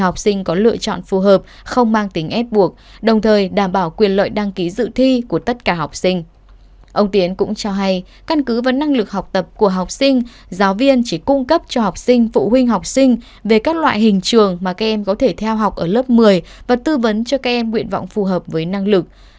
ông tiến cũng cho hay căn cứ và năng lực học tập của học sinh giáo viên chỉ cung cấp cho học sinh phụ huynh học sinh về các loại hình trường mà các em có thể theo học ở lớp một mươi và tư vấn cho các em nguyện vọng phù hợp với năng lực